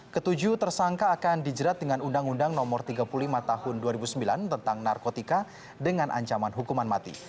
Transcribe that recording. ketujuh tersangka akan dijerat dengan undang undang no tiga puluh lima tahun dua ribu sembilan tentang narkotika dengan ancaman hukuman mati